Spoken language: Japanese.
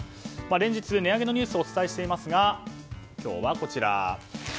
連日、値上げのニュースをお伝えしていますが今日はこちら。